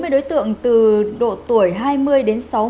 hai mươi đối tượng từ độ tuổi hai mươi đến sáu mươi